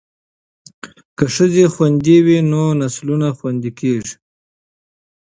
که ښځې خوندي وي نو نسلونه خوندي کیږي.